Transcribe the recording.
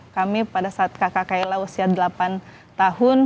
kami pada saat kakak kaila usia delapan tahun